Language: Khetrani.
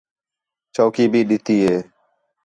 چوکی بھی ݙِتی ہے